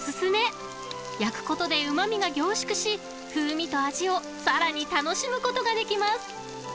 ［焼くことでうま味が凝縮し風味と味をさらに楽しむことができます］